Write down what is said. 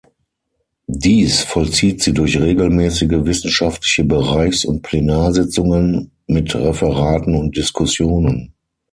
Dies vollzieht sie durch regelmäßige wissenschaftliche Bereichs- und Plenarsitzungen mit Referaten und Diskussionen.